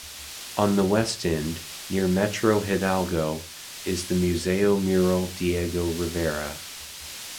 On the west end, near Metro Hidalgo, is the Museo Mural Diego Rivera.